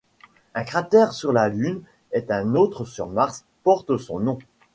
Un cratère sur la Lune et un autre sur Mars portent son nom.